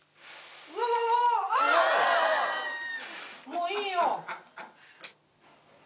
もういいよ！